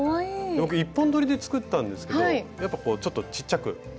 僕１本どりで作ったんですけどやっぱこうちょっとちっちゃく出来上がりました。